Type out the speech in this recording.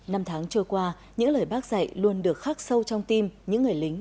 năm tháng trôi qua những lời bác dạy luôn được khắc sâu trong tim những người lính